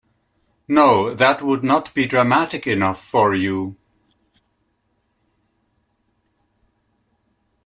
No, that would not be dramatic enough for you.